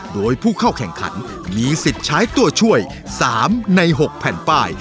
โดยผู้เข้าแข่งขันมีสิทธิ์ใช้ตัวช่วย๓ใน๖แผ่นป้าย